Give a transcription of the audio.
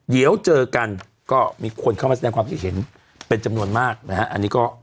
เดี๋ยวเจอกันก็มีคนเข้ามาแสดงความคิดเห็นเป็นจำนวนมากนะฮะอันนี้ก็